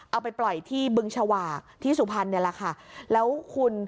เอาไปปล่อยที่บึงฉวากที่สุพรรณเนี่ยแหละค่ะแล้วคุณ